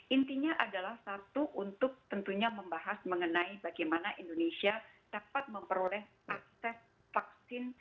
intinya adalah satu untuk tentunya membahas mengenai bagaimana indonesia dapat memperoleh akses vaksin